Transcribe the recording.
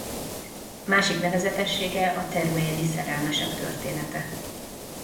Másik nevezetessége a Terueli szerelmesek története.